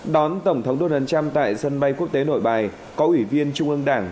đón tổng thống donald trump tại sân bay quốc tế nội bài có ủy viên trung ương đảng